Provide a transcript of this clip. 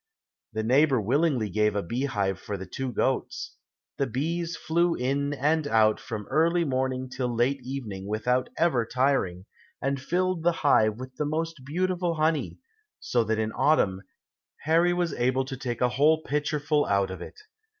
The neighbor willingly gave a beehive for the two goats. The bees flew in and out from early morning till late evening without ever tiring, and filled the hive with the most beautiful honey, so that in autumn Harry was able to take a whole pitcherful out of it.